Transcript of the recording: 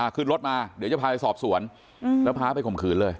ขึ้นรถมาเดี๋ยวจะพาไปสอบสวนแล้วพาไปข่มขืนเลย